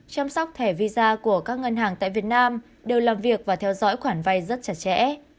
chăm sóc thẻ visa của các ngân hàng tại việt nam đều làm việc và theo dõi khoản vay rất chặt chẽ